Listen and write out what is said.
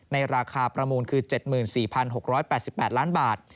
ในราคาประมูลคือ๗๔๖๘๘ล้านบาท